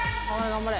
頑張れ！